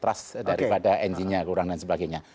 trust daripada engine nya kurang dan sebagainya